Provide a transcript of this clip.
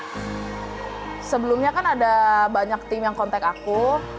awal dua ribu enam belas sebelumnya kan ada banyak tim yang kontak aku